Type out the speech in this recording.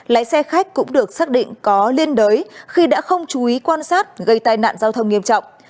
lái xe khách cũng được xác định có liên đới khi đã không chú ý quan sát gây tai nạn giao thông nghiêm trọng